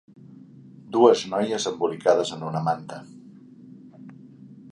Dues noies embolicades en una manta.